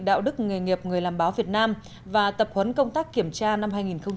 đạo đức nghề nghiệp người làm báo việt nam và tập huấn công tác kiểm tra năm hai nghìn một mươi chín